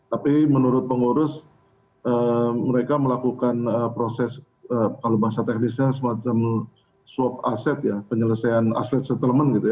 tapi menurut pengurus mereka melakukan proses kalau bahasa teknisnya semacam swap asset ya penyelesaian aset settlement gitu ya